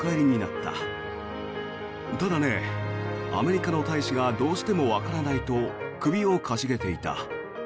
ただね、アメリカの大使がどうしてもわからないと首をかしげていた。